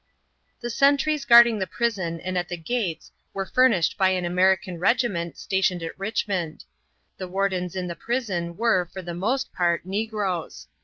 The sentries guarding the prison and at the gates were furnished by an American regiment stationed at Richmond. The wardens in the prison were, for the most part, negroes.